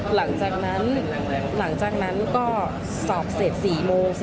หลังจากนั้นก็สอบเสร็จ๔โมง